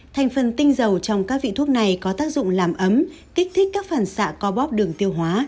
thành phần tinh dầu trong các vị thuốc này có tác dụng làm ấm kích thích các phản xạ co bóp đường tiêu hóa